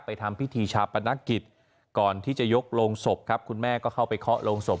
ทำพิธีชาปนกิจก่อนที่จะยกโรงศพครับคุณแม่ก็เข้าไปเคาะโรงศพ